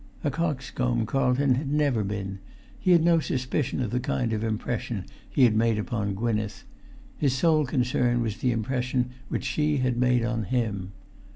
A coxcomb Carlton had never been; he had no suspicion of the kind of impression he had made upon Gwynneth; his sole concern was the impression which she had made on him.